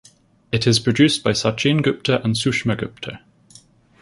It is produced by Sachin Gupta and Sushma Gupta.